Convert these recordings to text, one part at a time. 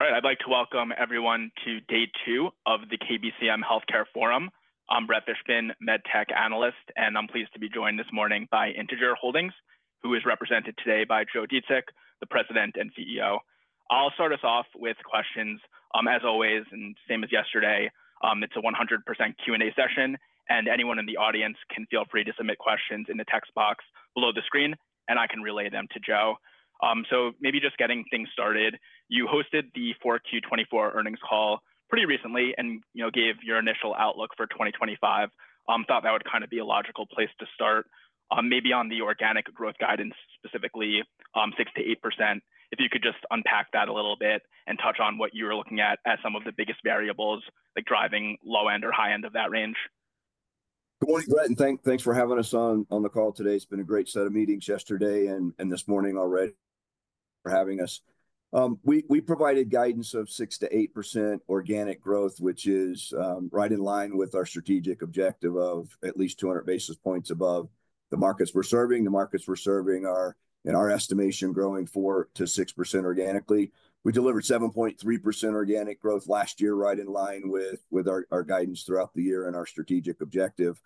All right, I'd like to welcome everyone to day two of the KBCM Healthcare Forum. I'm Brett Fishbin, MedTech analyst, and I'm pleased to be joined this morning by Integer Holdings, who is represented today by Joe Dziedzic, the President and CEO. I'll start us off with questions, as always, and same as yesterday. It's a 100% Q&A session, and anyone in the audience can feel free to submit questions in the text box below the screen, and I can relay them to Joe. Maybe just getting things started, you hosted the Q4 2024 earnings call pretty recently and gave your initial outlook for 2025. I thought that would kind of be a logical place to start, maybe on the organic growth guidance, specifically 6%-8%. If you could just unpack that a little bit and touch on what you were looking at as some of the biggest variables like driving low end or high end of that range. Good morning, Brett. Thanks for having us on the call today. It's been a great set of meetings yesterday and this morning already for having us. We provided guidance of 6%-8% organic growth, which is right in line with our strategic objective of at least 200 basis points above the markets we're serving. The markets we're serving are, in our estimation, growing 4%-6% organically. We delivered 7.3% organic growth last year, right in line with our guidance throughout the year and our strategic objective.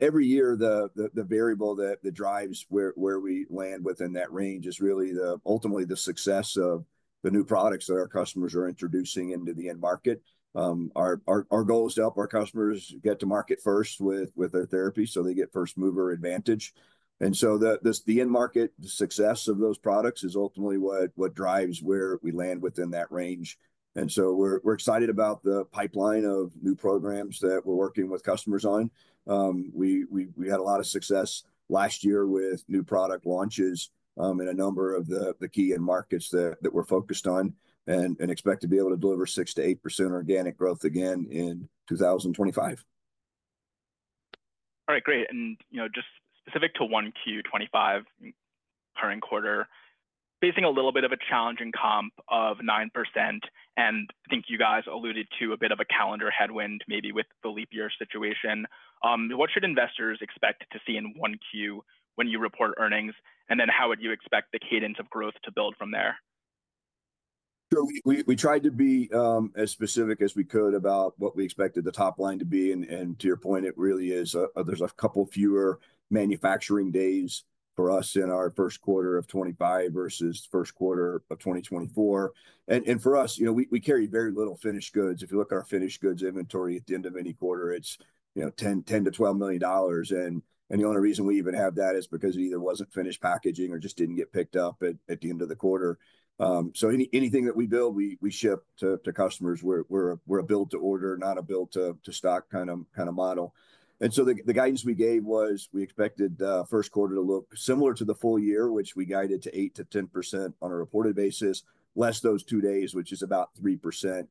Every year, the variable that drives where we land within that range is really ultimately the success of the new products that our customers are introducing into the end market. Our goal is to help our customers get to market first with their therapy so they get first mover advantage. The end market success of those products is ultimately what drives where we land within that range. We are excited about the pipeline of new programs that we are working with customers on. We had a lot of success last year with new product launches in a number of the key end markets that we are focused on and expect to be able to deliver 6%-8% organic growth again in 2025. All right, great. Just specific to 1Q 2025 current quarter, facing a little bit of a challenging comp of 9%, and I think you guys alluded to a bit of a calendar headwind maybe with the leap year situation. What should investors expect to see in 1Q when you report earnings? How would you expect the cadence of growth to build from there? Sure. We tried to be as specific as we could about what we expected the top line to be. To your point, it really is there are a couple fewer manufacturing days for us in our first quarter of 2025 versus first quarter of 2024. For us, we carry very little finished goods. If you look at our finished goods inventory at the end of any quarter, it is $10-$12 million. The only reason we even have that is because it either was not finished packaging or just did not get picked up at the end of the quarter. Anything that we build, we ship to customers. We are a build-to-order, not a build-to-stock kind of model. The guidance we gave was we expected first quarter to look similar to the full year, which we guided to 8%-10% on a reported basis, less those two days, which is about 3%.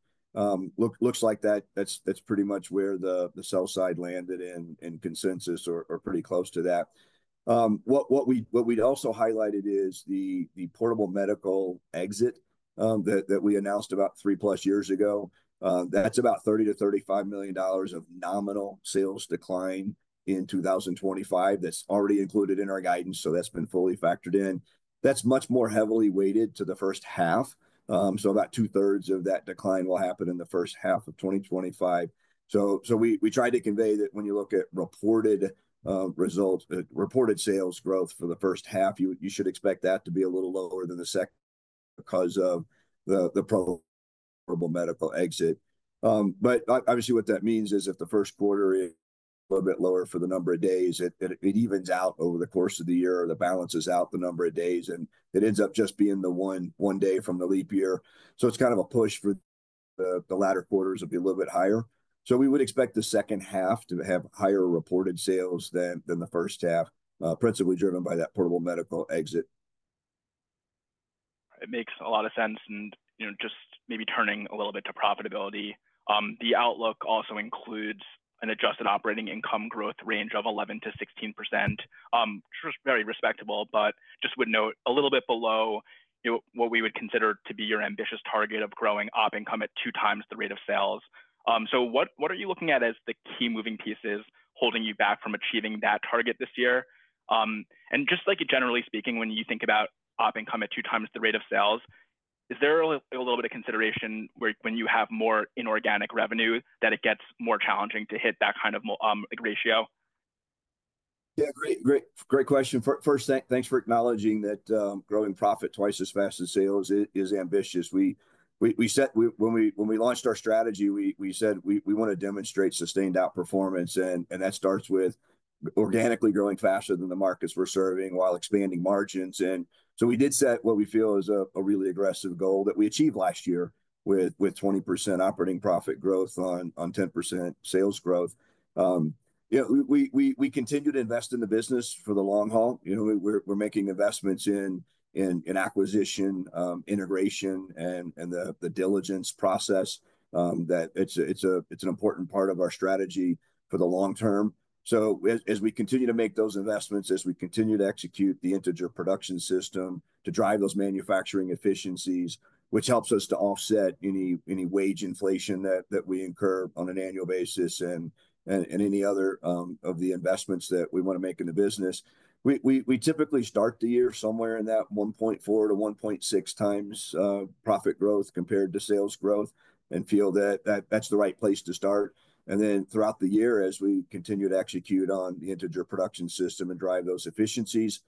Looks like that's pretty much where the sell side landed in consensus or pretty close to that. What we'd also highlighted is the Portable Medical exit that we announced about three plus years ago. That's about $30-$35 million of nominal sales decline in 2025. That's already included in our guidance, so that's been fully factored in. That's much more heavily weighted to the first half. About two-thirds of that decline will happen in the first half of 2025. We tried to convey that when you look at reported sales growth for the first half, you should expect that to be a little lower than the second because of the Portable Medical exit. Obviously, what that means is if the first quarter is a little bit lower for the number of days, it evens out over the course of the year or balances out the number of days, and it ends up just being the one day from the leap year. It is kind of a push for the latter quarters to be a little bit higher. We would expect the second half to have higher reported sales than the first half, principally driven by that Portable Medical exit. It makes a lot of sense. Just maybe turning a little bit to profitability, the outlook also includes an adjusted operating income growth range of 11-16%, which is very respectable, but just would note a little bit below what we would consider to be your ambitious target of growing op income at two times the rate of sales. What are you looking at as the key moving pieces holding you back from achieving that target this year? Just generally speaking, when you think about op income at two times the rate of sales, is there a little bit of consideration when you have more inorganic revenue that it gets more challenging to hit that kind of ratio? Yeah, great, great question. First, thanks for acknowledging that growing profit twice as fast as sales is ambitious. When we launched our strategy, we said we want to demonstrate sustained outperformance, and that starts with organically growing faster than the markets we're serving while expanding margins. We did set what we feel is a really aggressive goal that we achieved last year with 20% operating profit growth on 10% sales growth. We continue to invest in the business for the long haul. We're making investments in acquisition, integration, and the diligence process. It's an important part of our strategy for the long term. As we continue to make those investments, as we continue to execute the Integer Production System to drive those manufacturing efficiencies, which helps us to offset any wage inflation that we incur on an annual basis and any other of the investments that we want to make in the business, we typically start the year somewhere in that 1.4-1.6 times profit growth compared to sales growth and feel that that's the right place to start. Throughout the year, as we continue to execute on the Integer Production System and drive those efficiencies,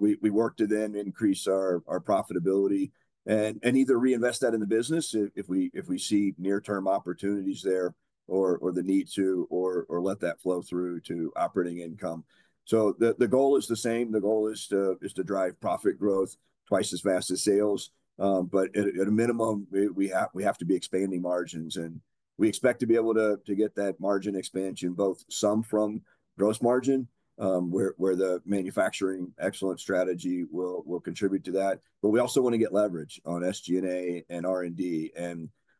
we work to then increase our profitability and either reinvest that in the business if we see near-term opportunities there or the need to let that flow through to operating income. The goal is the same. The goal is to drive profit growth twice as fast as sales. At a minimum, we have to be expanding margins, and we expect to be able to get that margin expansion both some from gross margin, where the manufacturing excellence strategy will contribute to that. We also want to get leverage on SG&A and R&D.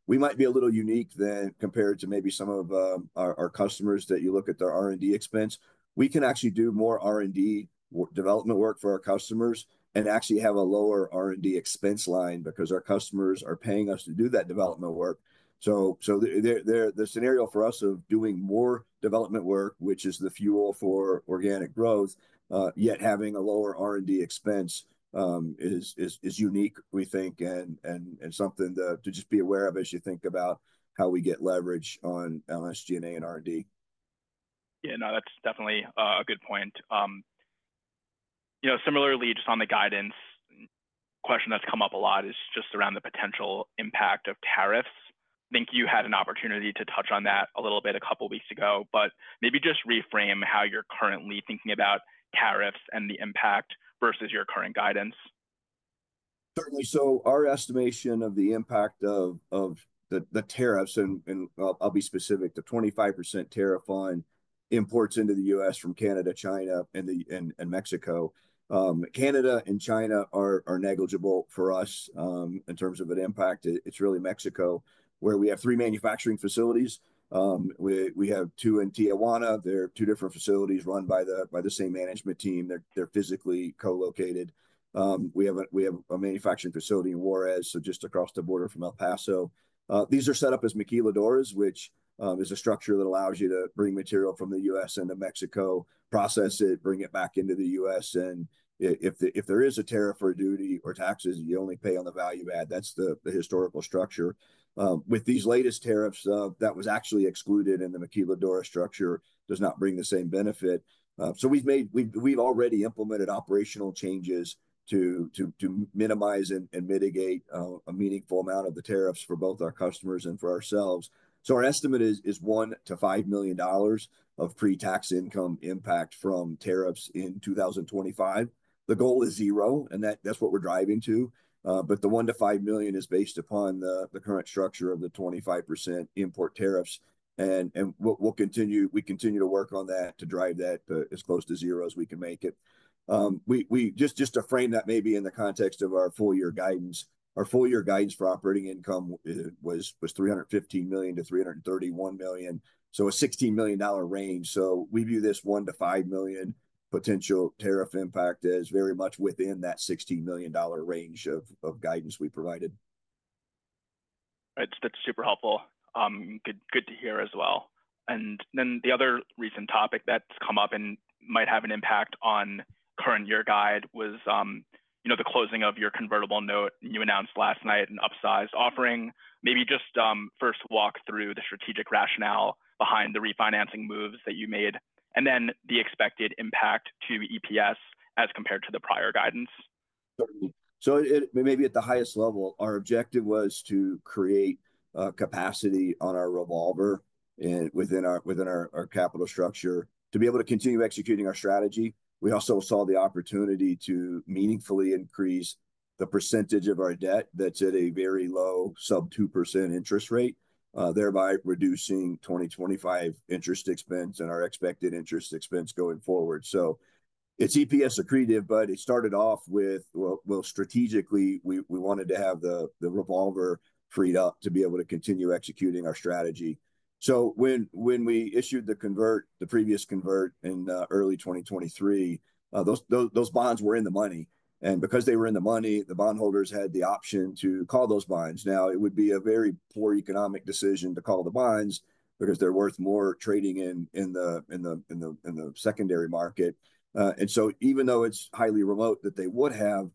We might be a little unique then compared to maybe some of our customers that you look at their R&D expense. We can actually do more R&D development work for our customers and actually have a lower R&D expense line because our customers are paying us to do that development work. The scenario for us of doing more development work, which is the fuel for organic growth, yet having a lower R&D expense is unique, we think, and something to just be aware of as you think about how we get leverage on SG&A and R&D. Yeah, no, that's definitely a good point. Similarly, just on the guidance, a question that's come up a lot is just around the potential impact of tariffs. I think you had an opportunity to touch on that a little bit a couple of weeks ago, but maybe just reframe how you're currently thinking about tariffs and the impact versus your current guidance. Certainly. Our estimation of the impact of the tariffs, and I'll be specific, the 25% tariff on imports into the U.S. from Canada, China, and Mexico. Canada and China are negligible for us in terms of an impact. It is really Mexico where we have three manufacturing facilities. We have two in Tijuana. They are two different facilities run by the same management team. They are physically co-located. We have a manufacturing facility in Juarez, just across the border from El Paso. These are set up as maquiladoras, which is a structure that allows you to bring material from the U.S. into Mexico, process it, bring it back into the U.S. If there is a tariff or a duty or taxes, you only pay on the value add. That is the historical structure. With these latest tariffs, that was actually excluded and the maquiladora structure does not bring the same benefit. We have already implemented operational changes to minimize and mitigate a meaningful amount of the tariffs for both our customers and for ourselves. Our estimate is $1-$5 million of pre-tax income impact from tariffs in 2025. The goal is zero, and that is what we are driving to. The $1-$5 million is based upon the current structure of the 25% import tariffs. We continue to work on that to drive that as close to zero as we can make it. To frame that maybe in the context of our full-year guidance, our full-year guidance for operating income was $315 million-$331 million, so a $16 million range. We view this $1-$5 million potential tariff impact as very much within that $16 million range of guidance we provided. That's super helpful. Good to hear as well. The other recent topic that's come up and might have an impact on current year guide was the closing of your convertible note. You announced last night an upsized offering. Maybe just first walk through the strategic rationale behind the refinancing moves that you made and then the expected impact to EPS as compared to the prior guidance. Certainly. Maybe at the highest level, our objective was to create capacity on our revolver within our capital structure to be able to continue executing our strategy. We also saw the opportunity to meaningfully increase the percentage of our debt that's at a very low sub 2% interest rate, thereby reducing 2025 interest expense and our expected interest expense going forward. It's EPS accretive, but it started off with, strategically, we wanted to have the revolver freed up to be able to continue executing our strategy. When we issued the previous convert in early 2023, those bonds were in the money. Because they were in the money, the bondholders had the option to call those bonds. It would be a very poor economic decision to call the bonds because they're worth more trading in the secondary market. Even though it's highly remote that they would have,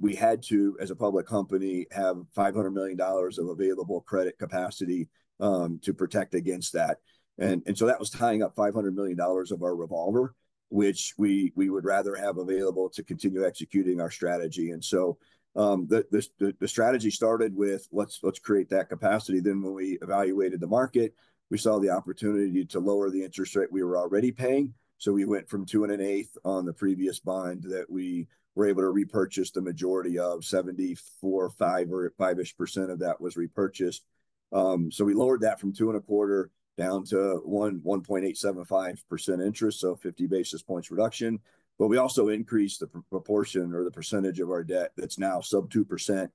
we had to, as a public company, have $500 million of available credit capacity to protect against that. That was tying up $500 million of our revolver, which we would rather have available to continue executing our strategy. The strategy started with, let's create that capacity. When we evaluated the market, we saw the opportunity to lower the interest rate we were already paying. We went from two and an eighth on the previous bond that we were able to repurchase the majority of. Seventy-four, five-ish percent of that was repurchased. We lowered that from two and a quarter down to 1.875% interest, so 50 basis points reduction. We also increased the proportion or the percentage of our debt that's now sub 2%.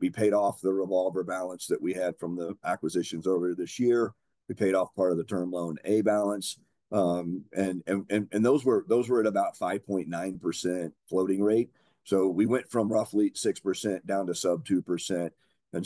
We paid off the revolver balance that we had from the acquisitions over this year. We paid off part of the term loan A balance. Those were at about 5.9% floating rate. We went from roughly 6% down to sub 2%. We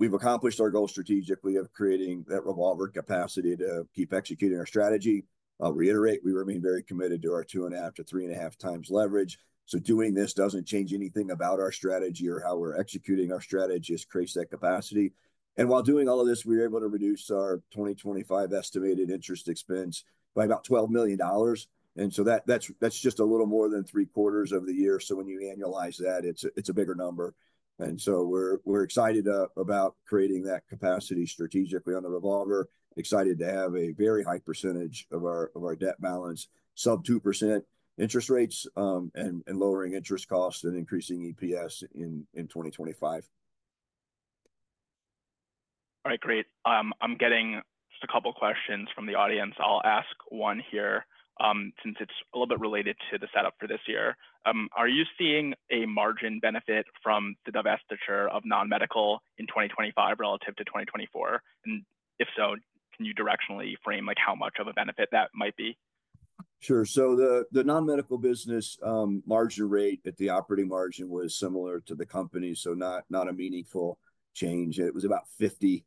have accomplished our goal strategically of creating that revolver capacity to keep executing our strategy. I'll reiterate, we remain very committed to our two and a half to three and a half times leverage. Doing this does not change anything about our strategy or how we are executing our strategy. It creates that capacity. While doing all of this, we were able to reduce our 2025 estimated interest expense by about $12 million. That is just a little more than three quarters of the year. When you annualize that, it is a bigger number. We are excited about creating that capacity strategically on the revolver, excited to have a very high percentage of our debt balance, sub 2% interest rates, and lowering interest costs and increasing EPS in 2025. All right, great. I'm getting just a couple of questions from the audience. I'll ask one here since it's a little bit related to the setup for this year. Are you seeing a margin benefit from the divestiture of non-medical in 2025 relative to 2024? If so, can you directionally frame how much of a benefit that might be? Sure. The non-medical business margin rate at the operating margin was similar to the company, so not a meaningful change. It was about $34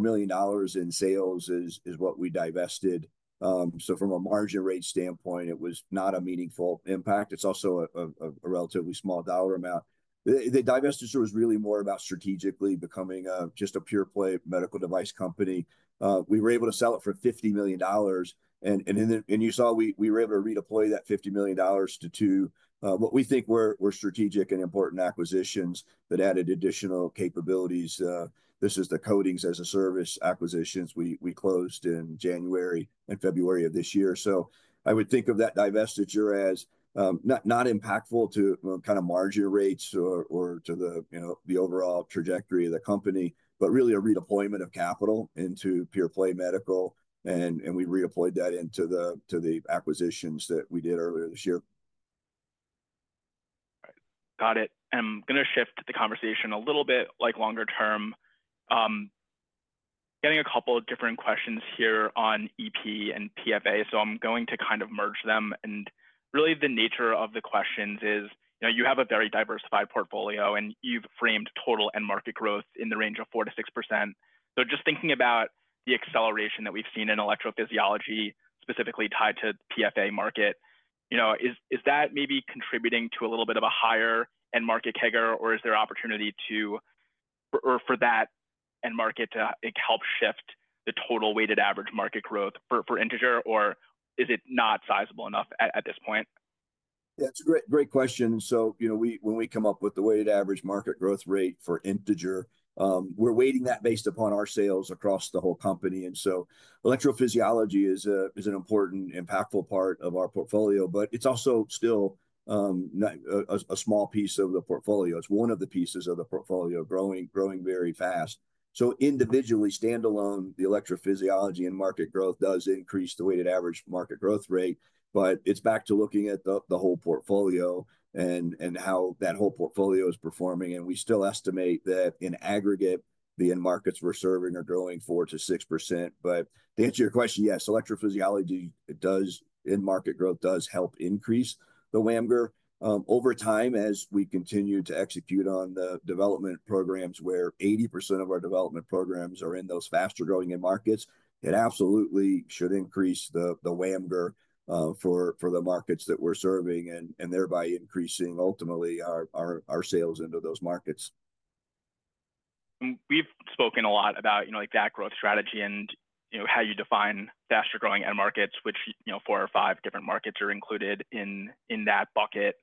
million in sales is what we divested. From a margin rate standpoint, it was not a meaningful impact. It is also a relatively small dollar amount. The divestiture was really more about strategically becoming just a pure play medical device company. We were able to sell it for $50 million. You saw we were able to redeploy that $50 million to what we think were strategic and important acquisitions that added additional capabilities. This is the coatings as a service acquisitions we closed in January and February of this year. I would think of that divestiture as not impactful to kind of margin rates or to the overall trajectory of the company, but really a redeployment of capital into pure play medical. And we redeployed that into the acquisitions that we did earlier this year. Got it. I'm going to shift the conversation a little bit like longer term. Getting a couple of different questions here on EP and PFA. I'm going to kind of merge them. Really the nature of the questions is you have a very diversified portfolio and you've framed total end market growth in the range of 4%-6%. Just thinking about the acceleration that we've seen in electrophysiology, specifically tied to the PFA market, is that maybe contributing to a little bit of a higher end market CAGR, or is there opportunity for that end market to help shift the total weighted average market growth for Integer, or is it not sizable enough at this point? Yeah, it's a great question. When we come up with the weighted average market growth rate for Integer, we're weighting that based upon our sales across the whole company. Electrophysiology is an important, impactful part of our portfolio, but it's also still a small piece of the portfolio. It's one of the pieces of the portfolio growing very fast. Individually, standalone, the electrophysiology end market growth does increase the weighted average market growth rate, but it's back to looking at the whole portfolio and how that whole portfolio is performing. We still estimate that in aggregate, the end markets we're serving are growing 4%-6%. To answer your question, yes, electrophysiology does, end market growth does help increase the WAMGR over time as we continue to execute on the development programs where 80% of our development programs are in those faster growing end markets. It absolutely should increase the WAMGR for the markets that we're serving and thereby increasing ultimately our sales into those markets. We've spoken a lot about that growth strategy and how you define faster growing end markets, which four or five different markets are included in that bucket.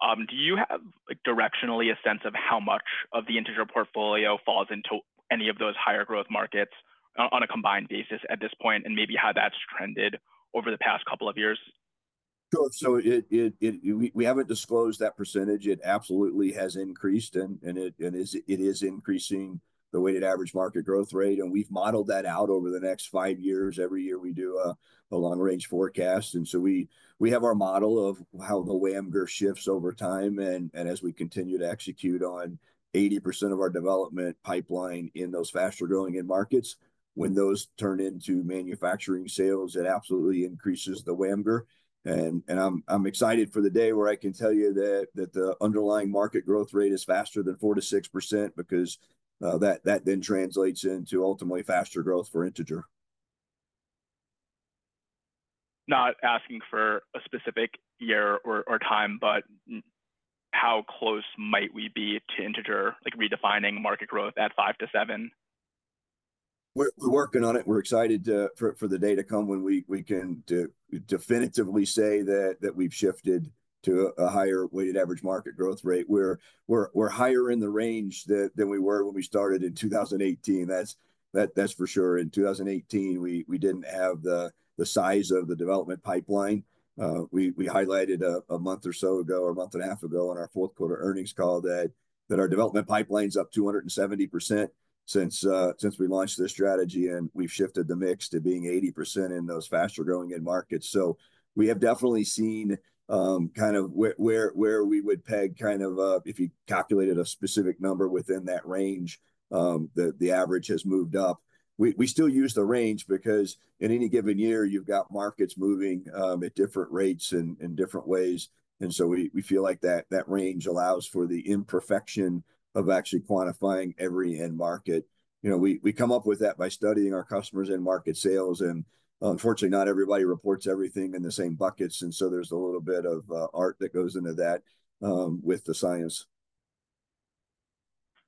Do you have directionally a sense of how much of the Integer portfolio falls into any of those higher growth markets on a combined basis at this point and maybe how that's trended over the past couple of years? Sure. We haven't disclosed that percentage. It absolutely has increased, and it is increasing the weighted average market growth rate. We have modeled that out over the next five years. Every year we do a long-range forecast. We have our model of how the WAMGR shifts over time. As we continue to execute on 80% of our development pipeline in those faster growing end markets, when those turn into manufacturing sales, it absolutely increases the WAMGR. I'm excited for the day where I can tell you that the underlying market growth rate is faster than 4%-6% because that then translates into ultimately faster growth for Integer. Not asking for a specific year or time, but how close might we be to Integer, like redefining market growth at 5%-7%? We're working on it. We're excited for the day to come when we can definitively say that we've shifted to a higher weighted average market growth rate. We're higher in the range than we were when we started in 2018. That's for sure. In 2018, we didn't have the size of the development pipeline. We highlighted a month or so ago, a month and a half ago on our fourth quarter earnings call that our development pipeline's up 270% since we launched this strategy, and we've shifted the mix to being 80% in those faster growing end markets. We have definitely seen kind of where we would peg kind of if you calculated a specific number within that range, the average has moved up. We still use the range because in any given year, you've got markets moving at different rates in different ways. We feel like that range allows for the imperfection of actually quantifying every end market. We come up with that by studying our customers' end market sales. Unfortunately, not everybody reports everything in the same buckets. There is a little bit of art that goes into that with the science.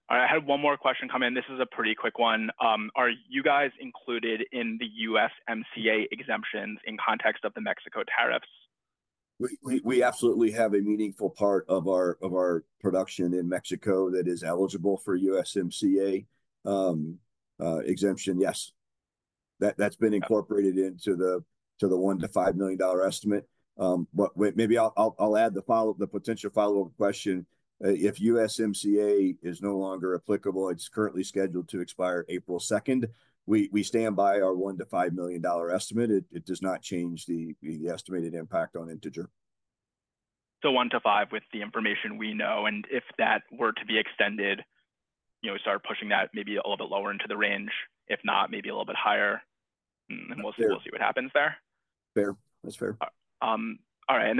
I had one more question come in. This is a pretty quick one. Are you guys included in the USMCA exemptions in context of the Mexico tariffs? We absolutely have a meaningful part of our production in Mexico that is eligible for USMCA exemption, yes. That's been incorporated into the $1-$5 million estimate. Maybe I'll add the potential follow-up question. If USMCA is no longer applicable, it's currently scheduled to expire April 2. We stand by our $1-$5 million estimate. It does not change the estimated impact on Integer. One to five with the information we know. If that were to be extended, start pushing that maybe a little bit lower into the range. If not, maybe a little bit higher. We'll see what happens there. Fair. That's fair. All right.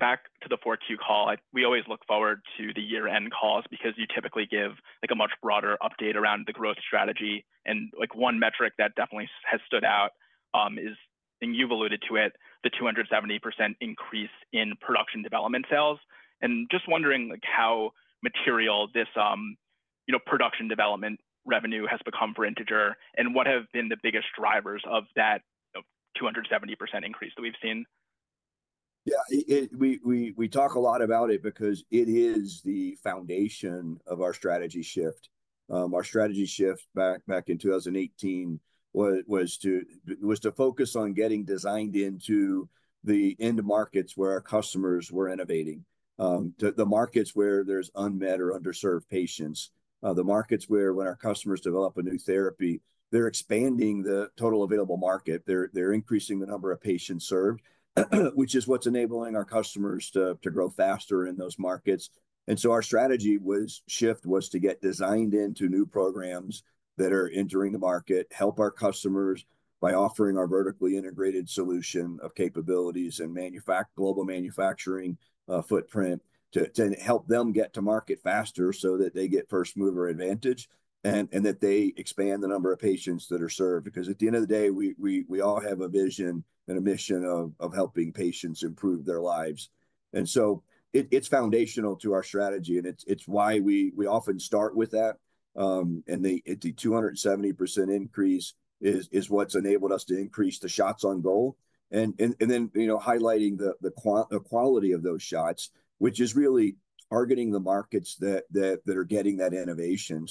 Back to the fourth Q call, we always look forward to the year-end calls because you typically give a much broader update around the growth strategy. One metric that definitely has stood out is, and you've alluded to it, the 270% increase in production development sales. Just wondering how material this production development revenue has become for Integer and what have been the biggest drivers of that 270% increase that we've seen. Yeah. We talk a lot about it because it is the foundation of our strategy shift. Our strategy shift back in 2018 was to focus on getting designed into the end markets where our customers were innovating. The markets where there are unmet or underserved patients. The markets where when our customers develop a new therapy, they are expanding the total available market. They are increasing the number of patients served, which is what is enabling our customers to grow faster in those markets. Our strategy shift was to get designed into new programs that are entering the market, help our customers by offering our vertically integrated solution of capabilities and global manufacturing footprint to help them get to market faster so that they get first mover advantage and that they expand the number of patients that are served. Because at the end of the day, we all have a vision and a mission of helping patients improve their lives. It is foundational to our strategy, and it is why we often start with that. The 270% increase is what has enabled us to increase the shots on goal. Highlighting the quality of those shots, which is really targeting the markets that are getting that innovation,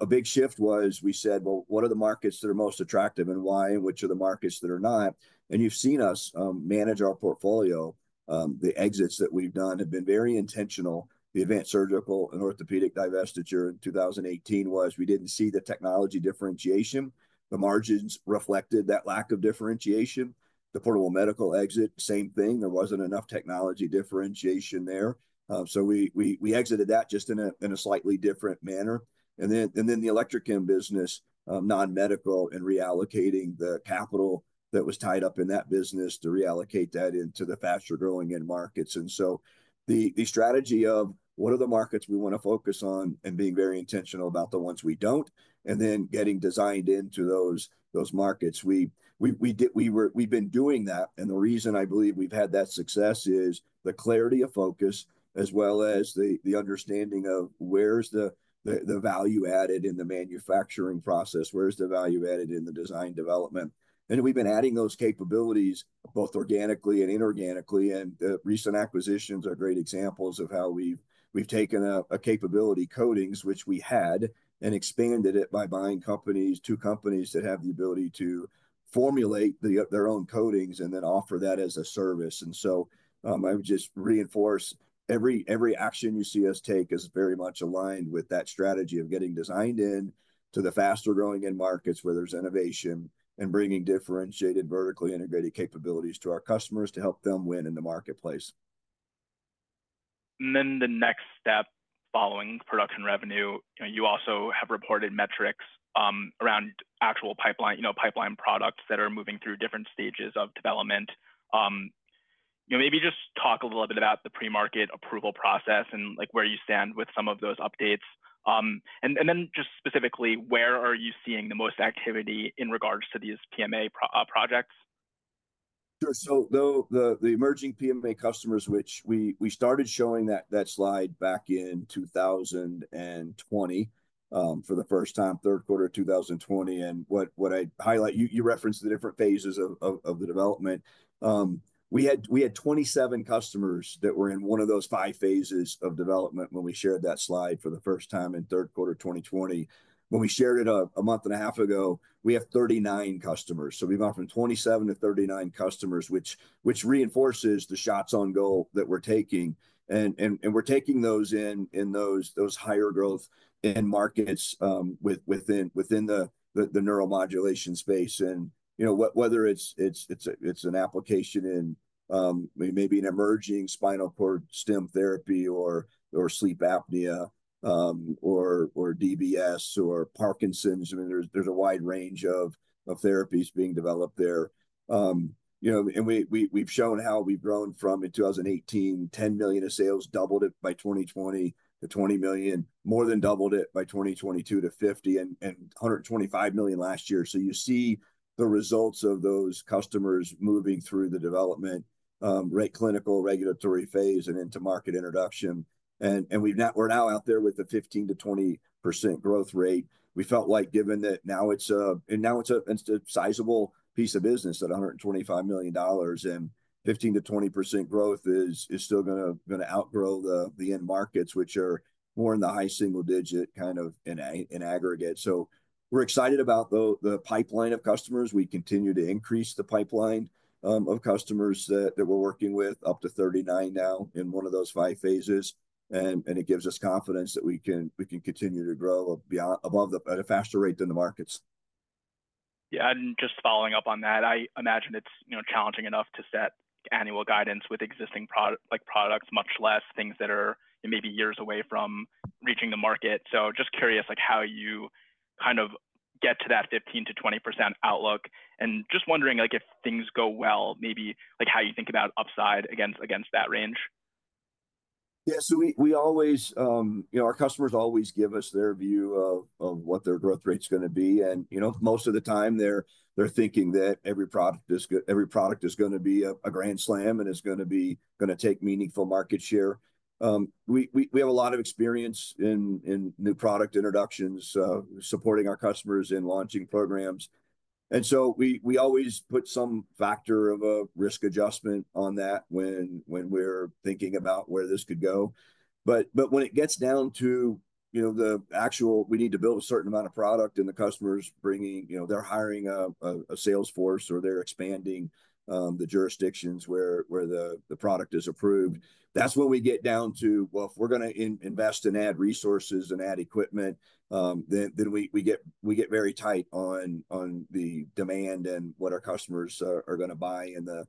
a big shift was we said, what are the markets that are most attractive and why, and which are the markets that are not? You have seen us manage our portfolio. The exits that we have done have been very intentional. The Advanced Surgical and Orthopedic divestiture in 2018 was because we did not see the technology differentiation. The margins reflected that lack of differentiation. The portable medical exit, same thing. There was not enough technology differentiation there. We exited that just in a slightly different manner. The Electrochem business, non-medical, and reallocating the capital that was tied up in that business to reallocate that into the faster growing end markets. The strategy of what are the markets we want to focus on and being very intentional about the ones we do not, and then getting designed into those markets. We have been doing that. The reason I believe we have had that success is the clarity of focus, as well as the understanding of where the value is added in the manufacturing process, where the value is added in the design development. We have been adding those capabilities both organically and inorganically. Recent acquisitions are great examples of how we've taken a capability, coatings, which we had, and expanded it by buying companies, two companies that have the ability to formulate their own coatings and then offer that as a service. I would just reinforce every action you see us take is very much aligned with that strategy of getting designed in to the faster growing end markets where there's innovation and bringing differentiated vertically integrated capabilities to our customers to help them win in the marketplace. The next step following production revenue, you also have reported metrics around actual pipeline products that are moving through different stages of development. Maybe just talk a little bit about the pre-market approval process and where you stand with some of those updates. Just specifically, where are you seeing the most activity in regards to these PMA projects? Sure. The emerging PMA customers, which we started showing that slide back in 2020 for the first time, third quarter of 2020. What I'd highlight, you referenced the different phases of the development. We had 27 customers that were in one of those five phases of development when we shared that slide for the first time in third quarter 2020. When we shared it a month and a half ago, we have 39 customers. We have gone from 27 to 39 customers, which reinforces the shots on goal that we're taking. We're taking those in those higher growth end markets within the neuromodulation space. Whether it's an application in maybe an emerging spinal cord stim therapy or sleep apnea or DBS or Parkinson's, I mean, there's a wide range of therapies being developed there. We have shown how we have grown from in 2018, $10 million of sales, doubled it by 2020 to $20 million, more than doubled it by 2022 to $50 million, and $125 million last year. You see the results of those customers moving through the development, right, clinical regulatory phase and into market introduction. We are now out there with a 15%-20% growth rate. We felt like given that now it is a sizable piece of business at $125 million, and 15%-20% growth is still going to outgrow the end markets, which are more in the high single digit kind of in aggregate. We are excited about the pipeline of customers. We continue to increase the pipeline of customers that we are working with up to 39 now in one of those five phases. It gives us confidence that we can continue to grow above at a faster rate than the markets. Yeah. Just following up on that, I imagine it's challenging enough to set annual guidance with existing products, much less things that are maybe years away from reaching the market. Just curious how you kind of get to that 15%-20% outlook. Just wondering if things go well, maybe how you think about upside against that range. Yeah. Our customers always give us their view of what their growth rate's going to be. Most of the time, they're thinking that every product is going to be a grand slam and it's going to take meaningful market share. We have a lot of experience in new product introductions, supporting our customers in launching programs. We always put some factor of a risk adjustment on that when we're thinking about where this could go. When it gets down to the actual, we need to build a certain amount of product and the customer's bringing, they're hiring a salesforce or they're expanding the jurisdictions where the product is approved. That's when we get down to, well, if we're going to invest and add resources and add equipment, then we get very tight on the demand and what our customers are going to buy in the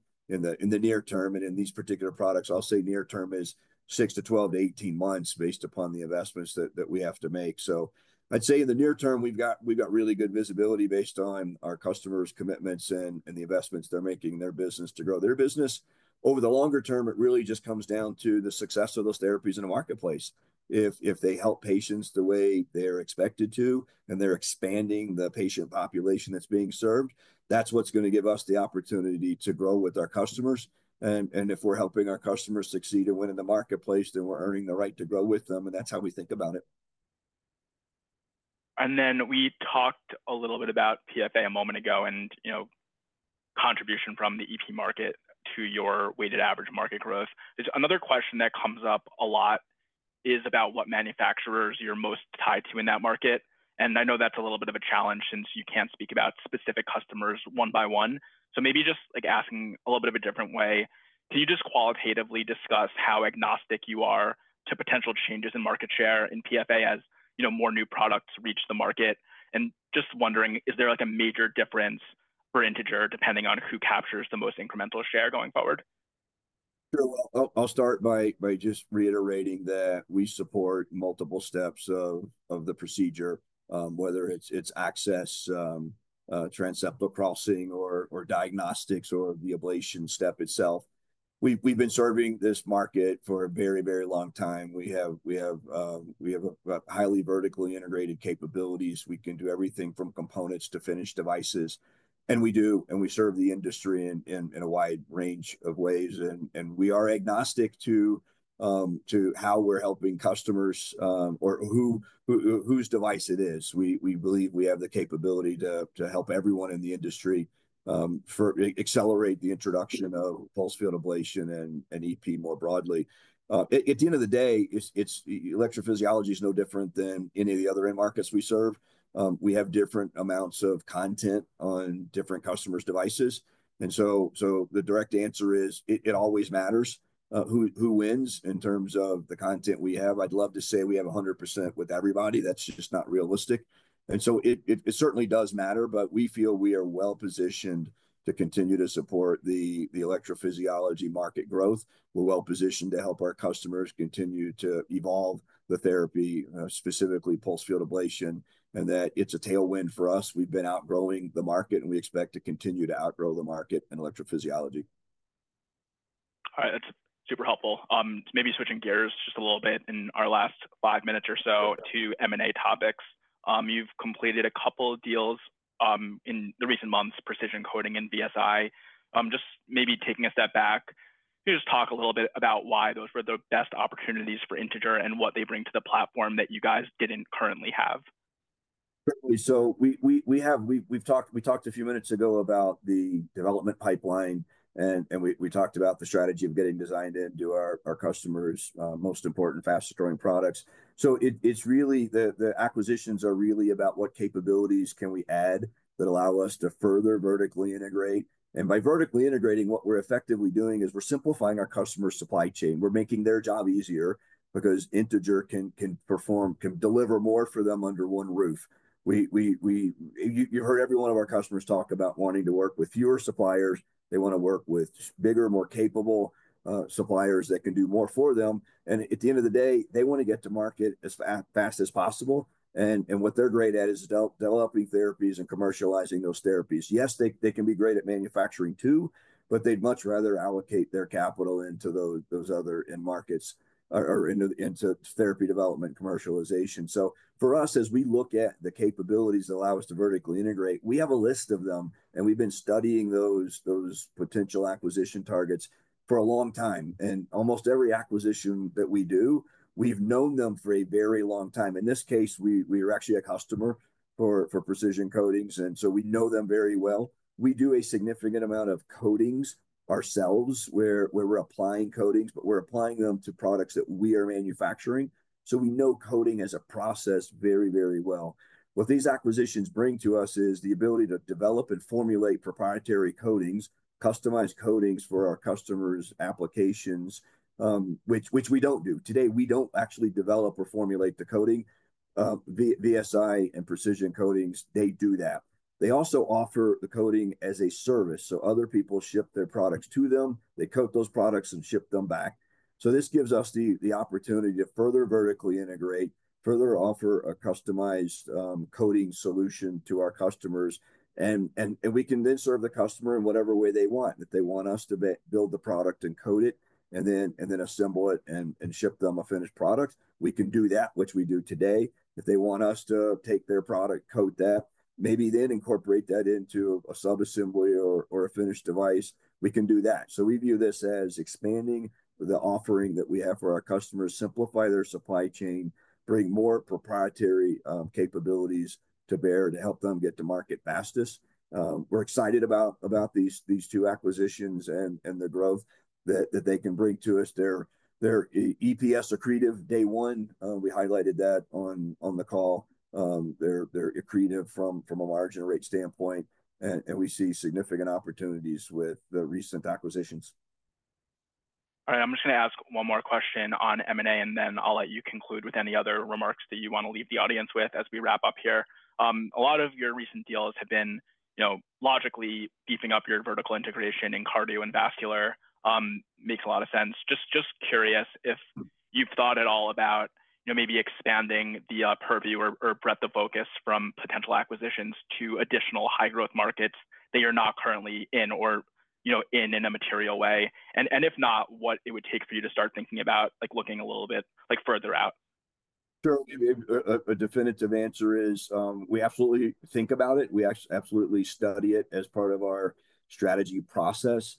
near term. In these particular products, I'll say near term is 6-12-18 months based upon the investments that we have to make. I'd say in the near term, we've got really good visibility based on our customers' commitments and the investments they're making in their business to grow their business. Over the longer term, it really just comes down to the success of those therapies in the marketplace. If they help patients the way they're expected to and they're expanding the patient population that's being served, that's what's going to give us the opportunity to grow with our customers. If we're helping our customers succeed and win in the marketplace, then we're earning the right to grow with them. That's how we think about it. We talked a little bit about PFA a moment ago and contribution from the EP market to your weighted average market growth. Another question that comes up a lot is about what manufacturers you're most tied to in that market. I know that's a little bit of a challenge since you can't speak about specific customers one by one. Maybe just asking a little bit of a different way, can you just qualitatively discuss how agnostic you are to potential changes in market share in PFA as more new products reach the market? Just wondering, is there a major difference for Integer depending on who captures the most incremental share going forward? Sure. I will start by just reiterating that we support multiple steps of the procedure, whether it is access, transseptal crossing, or diagnostics, or the ablation step itself. We have been serving this market for a very, very long time. We have highly vertically integrated capabilities. We can do everything from components to finished devices. We serve the industry in a wide range of ways. We are agnostic to how we are helping customers or whose device it is. We believe we have the capability to help everyone in the industry accelerate the introduction of pulse field ablation and EP more broadly. At the end of the day, electrophysiology is no different than any of the other end markets we serve. We have different amounts of content on different customers' devices. The direct answer is it always matters who wins in terms of the content we have. I'd love to say we have 100% with everybody. That's just not realistic. It certainly does matter, but we feel we are well-positioned to continue to support the electrophysiology market growth. We're well-positioned to help our customers continue to evolve the therapy, specifically pulse field ablation, and that it's a tailwind for us. We've been outgrowing the market, and we expect to continue to outgrow the market in electrophysiology. All right. That's super helpful. Maybe switching gears just a little bit in our last five minutes or so to M&A topics. You've completed a couple of deals in the recent months, Precision Coating and BSI. Just maybe taking a step back, could you just talk a little bit about why those were the best opportunities for Integer and what they bring to the platform that you guys didn't currently have? Certainly. We talked a few minutes ago about the development pipeline, and we talked about the strategy of getting designed into our customers' most important fast-growing products. The acquisitions are really about what capabilities can we add that allow us to further vertically integrate. By vertically integrating, what we're effectively doing is we're simplifying our customer supply chain. We're making their job easier because Integer can deliver more for them under one roof. You've heard every one of our customers talk about wanting to work with fewer suppliers. They want to work with bigger, more capable suppliers that can do more for them. At the end of the day, they want to get to market as fast as possible. What they're great at is developing therapies and commercializing those therapies. Yes, they can be great at manufacturing too, but they'd much rather allocate their capital into those other end markets or into therapy development commercialization. For us, as we look at the capabilities that allow us to vertically integrate, we have a list of them, and we've been studying those potential acquisition targets for a long time. Almost every acquisition that we do, we've known them for a very long time. In this case, we were actually a customer for Precision Coating, and so we know them very well. We do a significant amount of coatings ourselves where we're applying coatings, but we're applying them to products that we are manufacturing. We know coating as a process very, very well. What these acquisitions bring to us is the ability to develop and formulate proprietary coatings, customized coatings for our customers' applications, which we don't do. Today, we don't actually develop or formulate the coating. BSI and Precision Coating, they do that. They also offer the coating as a service. Other people ship their products to them. They coat those products and ship them back. This gives us the opportunity to further vertically integrate, further offer a customized coating solution to our customers. We can then serve the customer in whatever way they want. If they want us to build the product and coat it and then assemble it and ship them a finished product, we can do that, which we do today. If they want us to take their product, coat that, maybe then incorporate that into a subassembly or a finished device, we can do that. We view this as expanding the offering that we have for our customers, simplify their supply chain, bring more proprietary capabilities to bear to help them get to market fastest. We're excited about these two acquisitions and the growth that they can bring to us. They're EPS accretive day one. We highlighted that on the call. They're accretive from a margin rate standpoint, and we see significant opportunities with the recent acquisitions. All right. I'm just going to ask one more question on M&A, and then I'll let you conclude with any other remarks that you want to leave the audience with as we wrap up here. A lot of your recent deals have been logically beefing up your vertical integration in Cardio and Vascular. Makes a lot of sense. Just curious if you've thought at all about maybe expanding the purview or breadth of focus from potential acquisitions to additional high-growth markets that you're not currently in or in in a material way. If not, what it would take for you to start thinking about looking a little bit further out. Sure. A definitive answer is we absolutely think about it. We absolutely study it as part of our strategy process.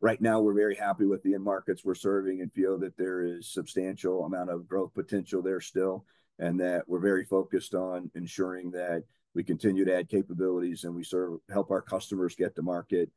Right now, we're very happy with the end markets we're serving and feel that there is a substantial amount of growth potential there still, and that we're very focused on ensuring that we continue to add capabilities and we help our customers get to market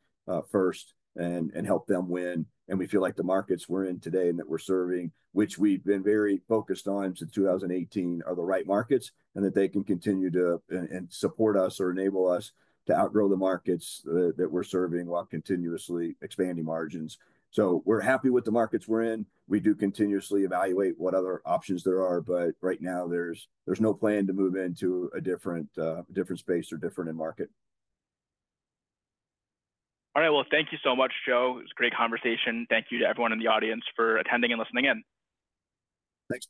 first and help them win. We feel like the markets we're in today and that we're serving, which we've been very focused on since 2018, are the right markets and that they can continue to support us or enable us to outgrow the markets that we're serving while continuously expanding margins. We're happy with the markets we're in. We do continuously evaluate what other options there are, but right now, there's no plan to move into a different space or different end market. All right. Thank you so much, Joe. It was a great conversation. Thank you to everyone in the audience for attending and listening in. Thanks.